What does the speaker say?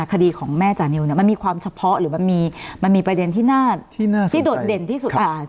คดีของแม่จานิวเนี่ยมันมีความเฉพาะหรือมันมีประเด็นที่น่าที่โดดเด่นที่สุด